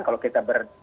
kalau kita ber